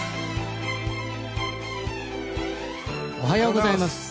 おはようございます。